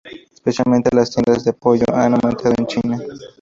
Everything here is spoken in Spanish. Especialmente las tiendas de pollo han aumentado en China.